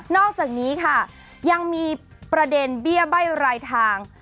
อกจากนี้ค่ะยังมีประเด็นเบี้ยใบ้รายทาง